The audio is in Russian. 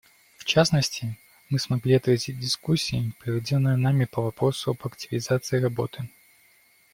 В частности, мы смогли отразить дискуссии, проведенные нами по вопросу об активизации работы.